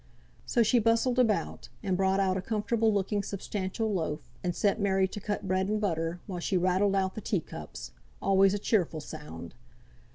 So she bustled about, and brought out a comfortable looking substantial loaf, and set Mary to cut bread and butter, while she rattled out the tea cups always a cheerful sound.